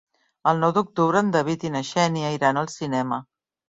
El nou d'octubre en David i na Xènia iran al cinema.